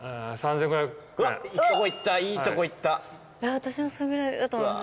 私もそれぐらいだと思います。